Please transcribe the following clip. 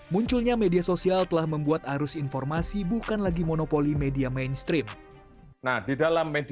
munculnya media sosial telah membuat arus informasi bukan lagi monopoli media mainstream